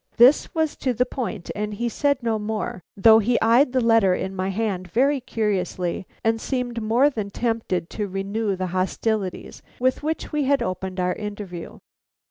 This was to the point and he said no more, though he eyed the letter in my hand very curiously, and seemed more than tempted to renew the hostilities with which we had opened our interview.